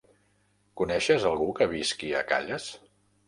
Coneixes algú que visqui a Calles?